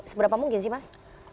seberapa mungkin sih mas